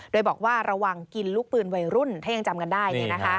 โดยบอกว่าระวังกินลูกปืนวัยรุ่นถ้ายังจำกันได้